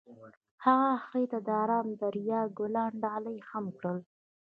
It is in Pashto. هغه هغې ته د آرام دریا ګلان ډالۍ هم کړل.